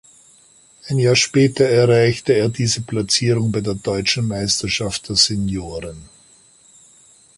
Ein Jahr später erreichte er diese Platzierung bei der deutschen Meisterschaft der Senioren.